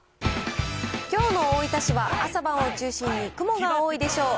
きょうの大分市は、朝晩を中心に雲が多いでしょう。